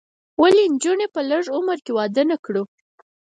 ولې نجونې په لږ عمر کې واده نه کړو؟